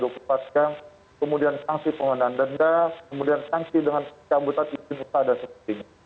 kemudian sanksi penghentian denda kemudian sanksi dengan cabutat isimu pada seting